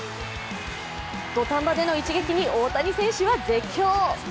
土壇場での一撃に大谷選手は絶叫。